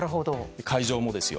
会場もですよ。